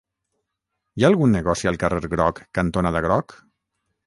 Hi ha algun negoci al carrer Groc cantonada Groc?